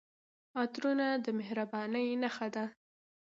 عطرونه د مهربانۍ نښه ده.